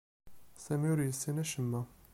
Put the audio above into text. Sami ur yessin acemma.